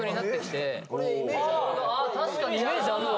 確かにイメージあるわ。